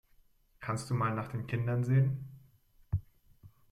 Kannst du mal nach den Kindern sehen?